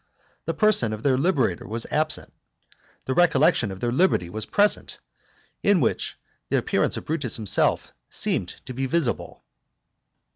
The person of their liberator was absent, the recollection of their liberty was present, in which the appearance of Brutus himself seemed to be visible.